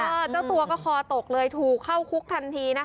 เออเจ้าตัวก็คอตกเลยเที่ยวเข้าคุกทันที